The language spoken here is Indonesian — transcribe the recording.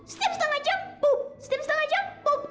setiap setengah jam bup setiap setengah jam bup